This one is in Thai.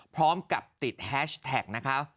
พร้อมกับติดแฮชแท็กนะคะ